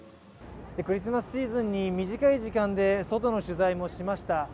クリスマスシーズンに短い時間で外の取材もしました。